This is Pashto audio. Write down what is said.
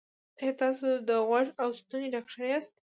ایا تاسو د غوږ او ستوني ډاکټر یاست؟